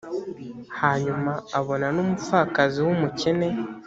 hanyuma abona n umupfakazi w umukene